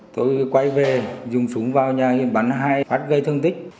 tôi quay về dùng súng vào nhà nghiệm bắn hai phát gây thương tích